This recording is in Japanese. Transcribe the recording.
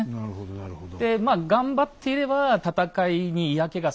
なるほどね。